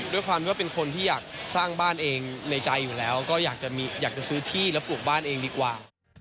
ด้วยความที่ว่าเป็นคนที่อยากสร้างบ้านเองในใจอยู่แล้วก็อยากจะซื้อที่แล้วปลูกบ้านเองดีกว่า